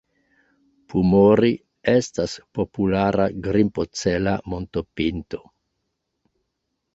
Pumori estas populara grimpocela montopinto.